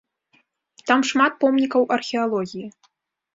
Там шмат помнікаў археалогіі.